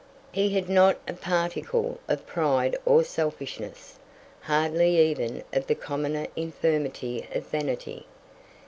He had not a particle of pride or selfishness, hardly even of the commoner infirmity of vanity.